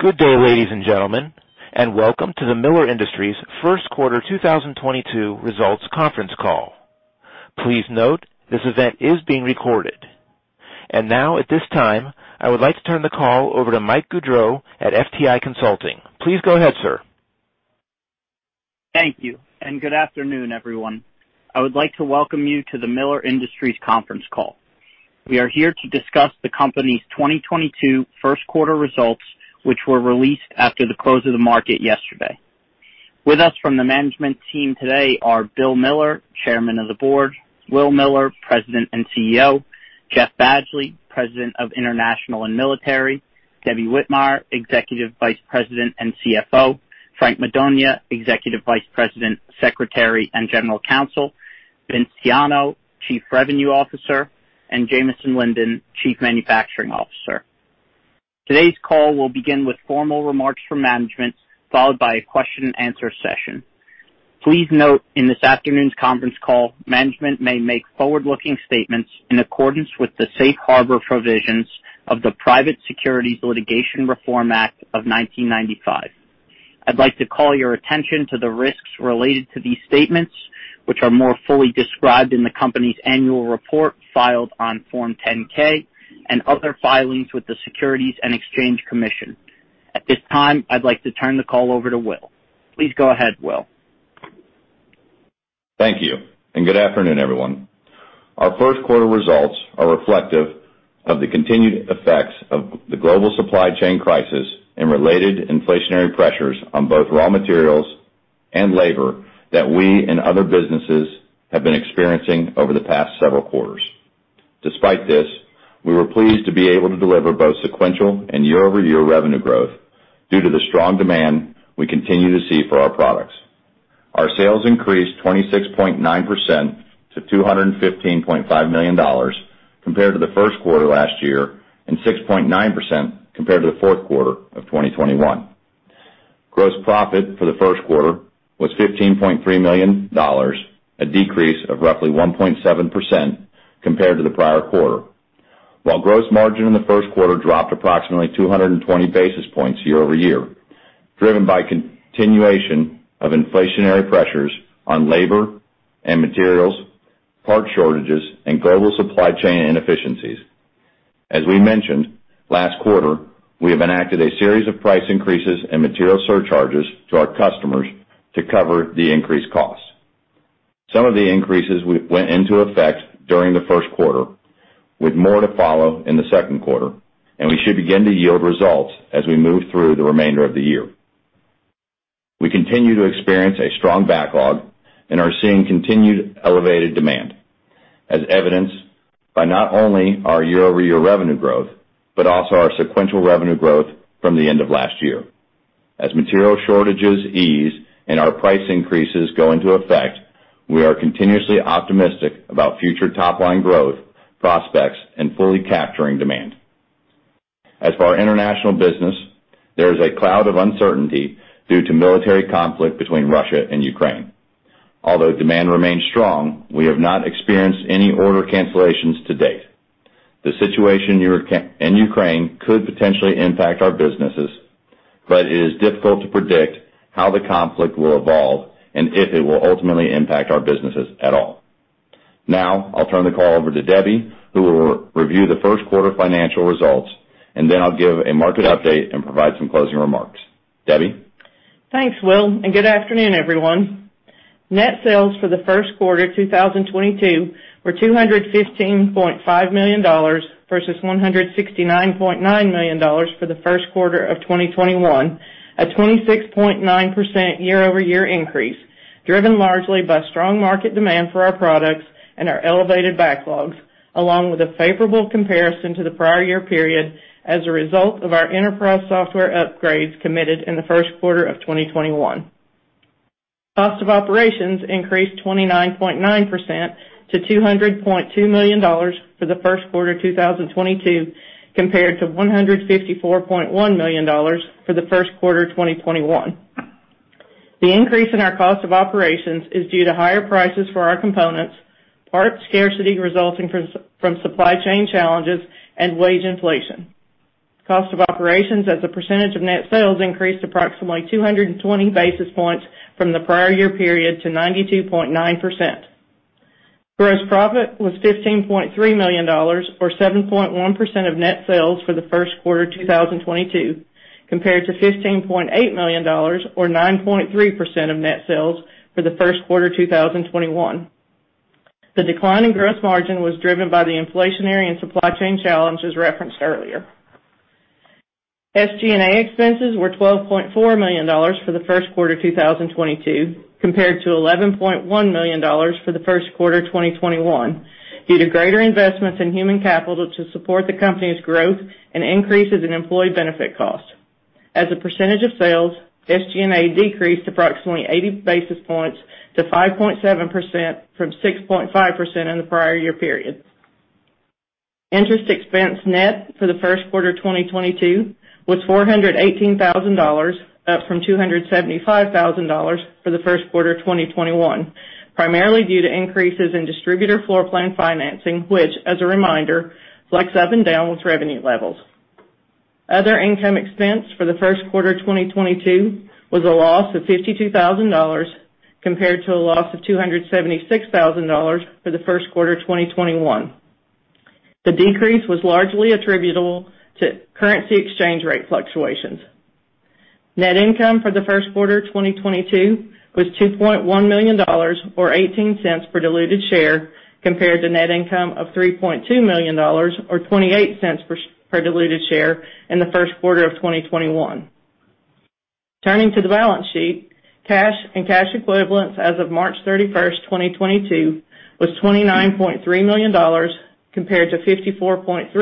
Good day, ladies and gentlemen, and welcome to the Miller Industries first quarter 2022 results conference call. Please note, this event is being recorded. Now at this time, I would like to turn the call over to Mike Gaudreau at FTI Consulting. Please go ahead, sir. Thank you, and good afternoon, everyone. I would like to welcome you to the Miller Industries conference call. We are here to discuss the company's 2022 first quarter results, which were released after the close of the market yesterday. With us from the management team today are Bill Miller, Chairman of the Board, Will Miller, President and CEO, Jeff Badgley, President of International and Military, Debbie Whitmire, Executive Vice President and CFO, Frank Madonia, Executive Vice President, Secretary, and General Counsel, Vince Tiano, Chief Revenue Officer, and Jamison Linden, Chief Manufacturing Officer. Today's call will begin with formal remarks from management, followed by a question-and-answer session. Please note, in this afternoon's conference call, management may make forward-looking statements in accordance with the safe harbor provisions of the Private Securities Litigation Reform Act of 1995. I'd like to call your attention to the risks related to these statements, which are more fully described in the company's annual report filed on Form 10-K, and other filings with the Securities and Exchange Commission. At this time, I'd like to turn the call over to Will. Please go ahead, Will. Thank you, and good afternoon, everyone. Our first quarter results are reflective of the continued effects of the global supply chain crisis and related inflationary pressures on both raw materials and labor that we and other businesses have been experiencing over the past several quarters. Despite this, we were pleased to be able to deliver both sequential and year-over-year revenue growth due to the strong demand we continue to see for our products. Our sales increased 26.9% to $215.5 million compared to the first quarter last year, and 6.9% compared to the fourth quarter of 2021. Gross profit for the first quarter was $15.3 million, a decrease of roughly 1.7% compared to the prior quarter. While gross margin in the first quarter dropped approximately 220 basis points year-over-year, driven by continuation of inflationary pressures on labor and materials, part shortages, and global supply chain inefficiencies. As we mentioned last quarter, we have enacted a series of price increases and material surcharges to our customers to cover the increased costs. Some of the increases went into effect during the first quarter, with more to follow in the second quarter, and we should begin to yield results as we move through the remainder of the year. We continue to experience a strong backlog and are seeing continued elevated demand, as evidenced by not only our year-over-year revenue growth, but also our sequential revenue growth from the end of last year. As material shortages ease and our price increases go into effect, we are continuously optimistic about future top line growth, prospects, and fully capturing demand. As for our international business, there is a cloud of uncertainty due to military conflict between Russia and Ukraine. Although demand remains strong, we have not experienced any order cancellations to date. The situation in Ukraine could potentially impact our businesses, but it is difficult to predict how the conflict will evolve and if it will ultimately impact our businesses at all. Now, I'll turn the call over to Deborah, who will review the first quarter financial results, and then I'll give a market update and provide some closing remarks. Deborah? Thanks, Will, and good afternoon, everyone. Net sales for the first quarter 2022 were $215.5 million versus $169.9 million for the first quarter of 2021, a 26.9% year-over-year increase, driven largely by strong market demand for our products and our elevated backlogs, along with a favorable comparison to the prior year period as a result of our enterprise software upgrades committed in the first quarter of 2021. Cost of operations increased 29.9% to $200.2 million for the first quarter 2022, compared to $154.1 million for the first quarter 2021. The increase in our cost of operations is due to higher prices for our components, part scarcity resulting from supply chain challenges, and wage inflation. Cost of operations as a percentage of net sales increased approximately 220 basis points from the prior year period to 92.9%. Gross profit was $15.3 million or 7.1% of net sales for the first quarter 2022, compared to $15.8 million or 9.3% of net sales for the first quarter 2021. The decline in gross margin was driven by the inflationary and supply chain challenges referenced earlier. SG&A expenses were $12.4 million for the first quarter 2022, compared to $11.1 million for the first quarter 2021, due to greater investments in human capital to support the company's growth and increases in employee benefit costs. As a percentage of sales, SG&A decreased approximately 80 basis points to 5.7% from 6.5% in the prior year period. Interest expense net for the first quarter 2022 was $418,000, up from $275,000 for the first quarter 2021. Primarily due to increases in distributor floor plan financing, which as a reminder, flex up and down with revenue levels. Other income expense for the first quarter of 2022 was a loss of $52,000 compared to a loss of $276,000 for the first quarter of 2021. The decrease was largely attributable to currency exchange rate fluctuations. Net income for the first quarter of 2022 was $2.1 million or 18 cents per diluted share compared to net income of $3.2 million or 28 cents per diluted share in the first quarter of 2021. Turning to the balance sheet, cash and cash equivalents as of March 31, 2022 was $29.3 million compared to $54.3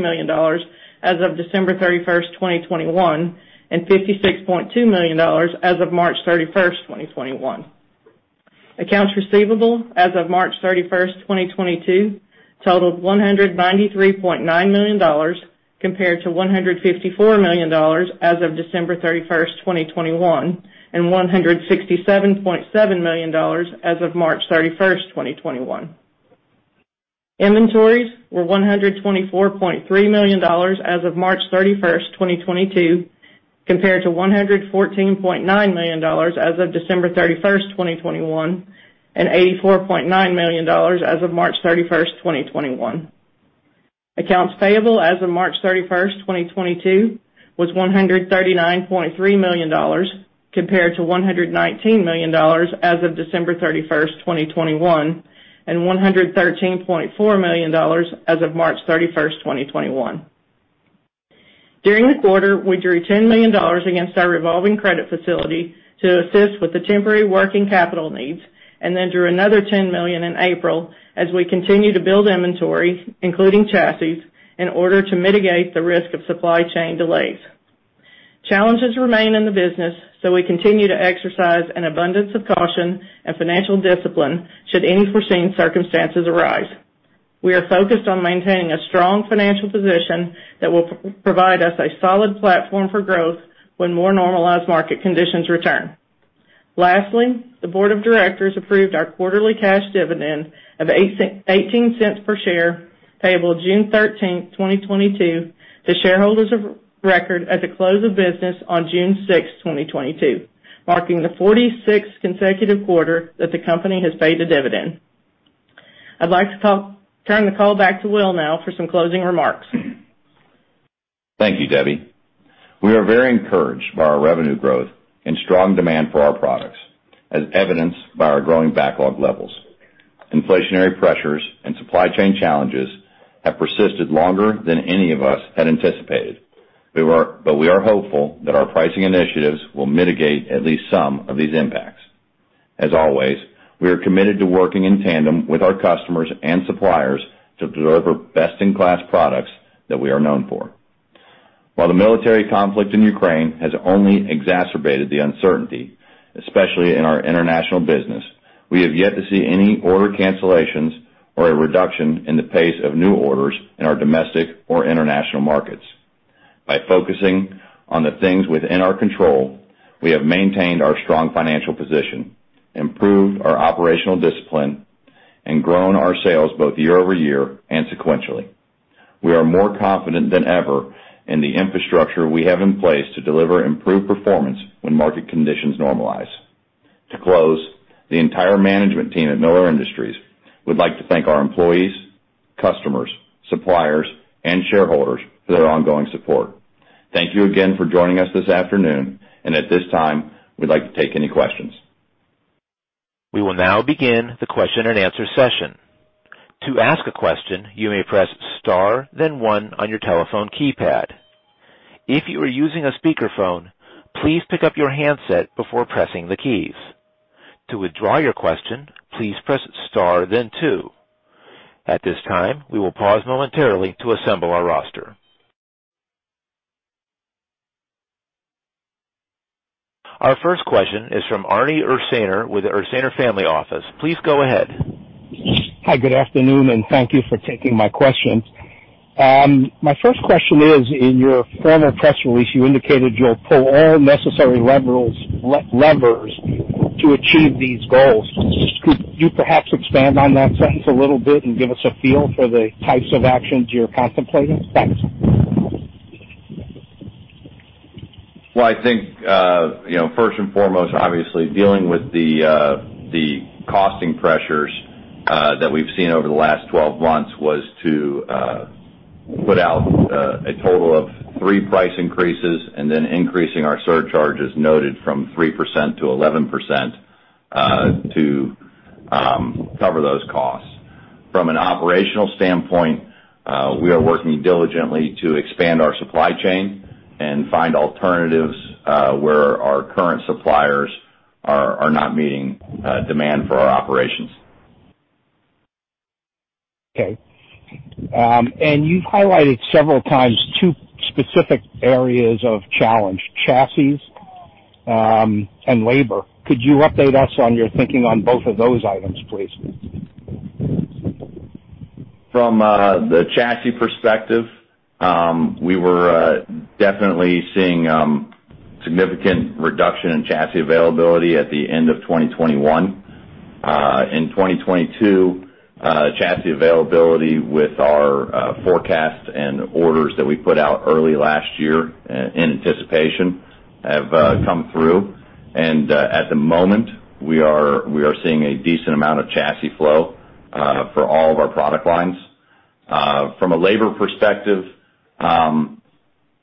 million as of December 31, 2021, and $56.2 million as of March 31, 2021. Accounts receivable as of March 31, 2022 totaled $193.9 million compared to $154 million as of December 31, 2021, and $167.7 million as of March 31, 2021. Inventories were $124.3 million as of March 31st, 2022 compared to $114.9 million as of December 31st, 2021, and $84.9 million as of March 31st, 2021. Accounts payable as of March 31st, 2022 was $139.3 million compared to $119 million as of December 31st, 2021, and $113.4 million as of March 31st, 2021. During the quarter, we drew $10 million against our revolving credit facility to assist with the temporary working capital needs and then drew another $10 million in April as we continue to build inventory, including chassis, in order to mitigate the risk of supply chain delays. Challenges remain in the business, so we continue to exercise an abundance of caution and financial discipline should any unforeseen circumstances arise. We are focused on maintaining a strong financial position that will provide us a solid platform for growth when more normalized market conditions return. Lastly, the board of directors approved our quarterly cash dividend of $0.18 per share, payable June 13, 2022 to shareholders of record at the close of business on June 6, 2022, marking the 46th consecutive quarter that the company has paid a dividend. I'd like to turn the call back to Will now for some closing remarks. Thank you, Debbie. We are very encouraged by our revenue growth and strong demand for our products as evidenced by our growing backlog levels. Inflationary pressures and supply chain challenges have persisted longer than any of us had anticipated. We are hopeful that our pricing initiatives will mitigate at least some of these impacts. As always, we are committed to working in tandem with our customers and suppliers to deliver best in class products that we are known for. While the military conflict in Ukraine has only exacerbated the uncertainty, especially in our international business, we have yet to see any order cancellations or a reduction in the pace of new orders in our domestic or international markets. By focusing on the things within our control, we have maintained our strong financial position, improved our operational discipline, and grown our sales both year-over-year and sequentially. We are more confident than ever in the infrastructure we have in place to deliver improved performance when market conditions normalize. To close, the entire management team at Miller Industries would like to thank our employees, customers, suppliers, and shareholders for their ongoing support. Thank you again for joining us this afternoon, and at this time, we'd like to take any questions. We will now begin the question and answer session. To ask a question, you may press star then one on your telephone keypad. If you are using a speakerphone, please pick up your handset before pressing the keys. To withdraw your question, please press star then two. At this time, we will pause momentarily to assemble our roster. Our first question is from Arnie Ursaner with Ursaner Family Office. Please go ahead. Hi, good afternoon, and thank you for taking my questions. My first question is, in your former press release, you indicated you'll pull all necessary levels to achieve these goals. Could you perhaps expand on that sentence a little bit and give us a feel for the types of actions you're contemplating? Thanks. Well, I think, you know, first and foremost, obviously dealing with the cost pressures that we've seen over the last 12 months was to put out a total of three price increases and then increasing our surcharges noted from 3%-11% to cover those costs. From an operational standpoint, we are working diligently to expand our supply chain and find alternatives where our current suppliers are not meeting demand for our operations. Okay. You've highlighted several times two specific areas of challenge, chassis, and labor. Could you update us on your thinking on both of those items, please? From the chassis perspective, we were definitely seeing significant reduction in chassis availability at the end of 2021. In 2022, chassis availability with our forecasts and orders that we put out early last year in anticipation have come through. At the moment we are seeing a decent amount of chassis flow for all of our product lines. From a labor perspective,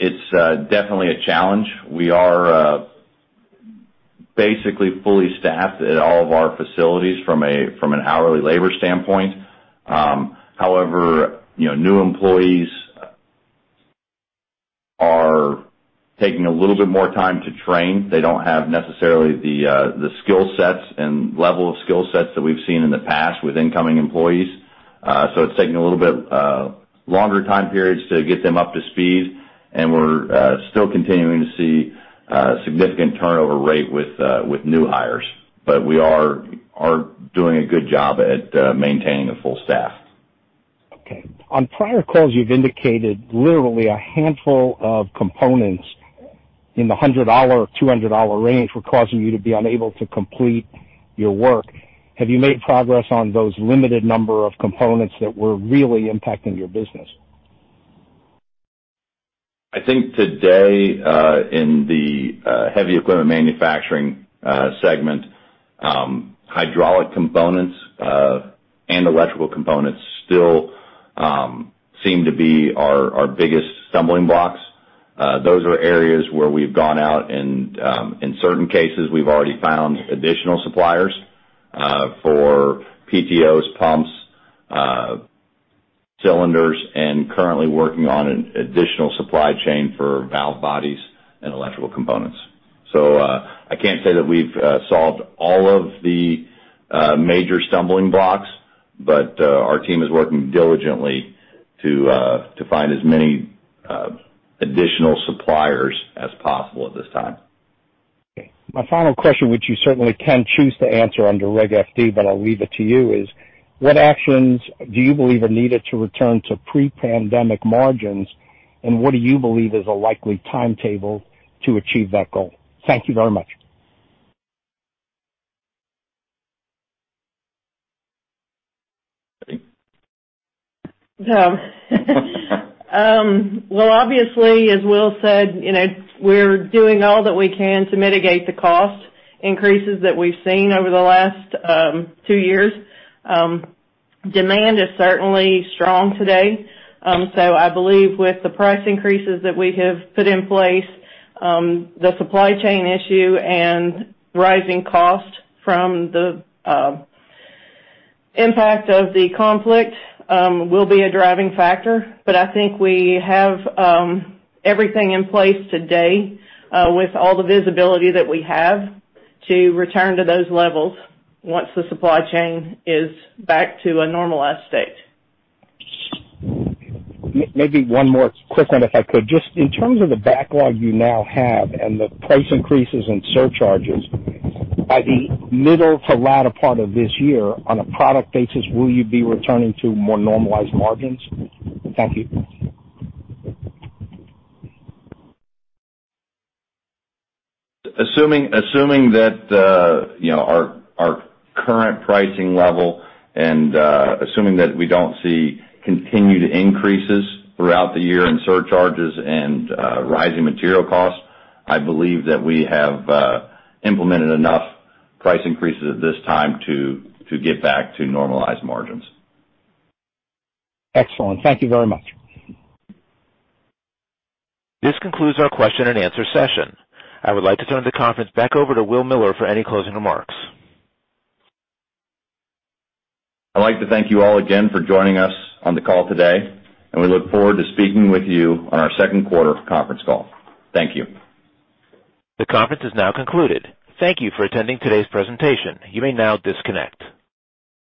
it's definitely a challenge. We are basically fully staffed at all of our facilities from an hourly labor standpoint. However, you know, new employees are taking a little bit more time to train. They don't have necessarily the skill sets and level of skill sets that we've seen in the past with incoming employees. It's taking a little bit longer time periods to get them up to speed. We're still continuing to see significant turnover rate with new hires. We are doing a good job at maintaining a full staff. Okay. On prior calls, you've indicated literally a handful of components in the $100-$200 range were causing you to be unable to complete your work. Have you made progress on those limited number of components that were really impacting your business? I think today, in the heavy equipment manufacturing segment, hydraulic components and electrical components still seem to be our biggest stumbling blocks. Those are areas where we've gone out and, in certain cases, we've already found additional suppliers for PTOs pumps, cylinders, and currently working on an additional supply chain for valve bodies and electrical components. I can't say that we've solved all of the major stumbling blocks, but our team is working diligently to find as many additional suppliers as possible at this time. My final question, which you certainly can choose to answer under Reg FD, but I'll leave it to you, is what actions do you believe are needed to return to pre-pandemic margins, and what do you believe is a likely timetable to achieve that goal? Thank you very much. Well, obviously, as Will said, you know, we're doing all that we can to mitigate the cost increases that we've seen over the last two years. Demand is certainly strong today. I believe with the price increases that we have put in place, the supply chain issue and rising costs from the impact of the conflict will be a driving factor. I think we have everything in place today, with all the visibility that we have to return to those levels once the supply chain is back to a normalized state. Maybe one more quick one, if I could. Just in terms of the backlog you now have and the price increases in surcharges, by the middle to latter part of this year, on a product basis, will you be returning to more normalized margins? Thank you. Assuming that you know our current pricing level and assuming that we don't see continued increases throughout the year in surcharges and rising material costs, I believe that we have implemented enough price increases at this time to get back to normalized margins. Excellent. Thank you very much. This concludes our question and answer session. I would like to turn the conference back over to Will Miller for any closing remarks. I'd like to thank you all again for joining us on the call today, and we look forward to speaking with you on our second quarter conference call. Thank you. The conference is now concluded. Thank you for attending today's presentation. You may now disconnect.